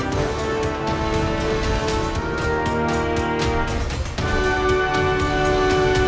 โปรดติดตามตอนต่อไป